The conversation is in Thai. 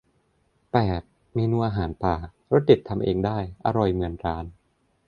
แปด เมนูอาหารป่า รสเด็ดทำเองได้อร่อยเหมือนร้าน